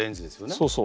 そうそう。